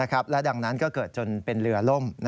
และดังนั้นก็เกิดจนเป็นเรือล่ม